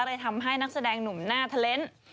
เลยทำให้นักแสดงหนุ่มหน้าเทอร์เน้น